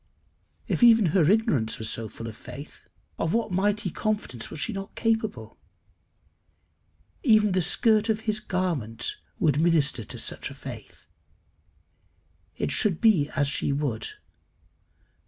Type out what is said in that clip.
If even her ignorance was so full of faith, of what mighty confidence was she not capable! Even the skirt of his garment would minister to such a faith. It should be as she would.